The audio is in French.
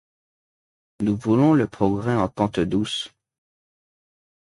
Nous voulons le progrès en pente douce.